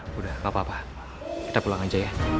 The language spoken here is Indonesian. ma udah gak apa apa kita pulang aja ya